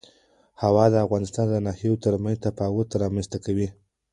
هوا د افغانستان د ناحیو ترمنځ تفاوتونه رامنځ ته کوي.